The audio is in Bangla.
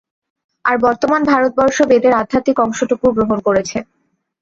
আর বর্তমান ভারতবর্ষ বেদের আধ্যাত্মিক অংশটুকু গ্রহণ করেছে।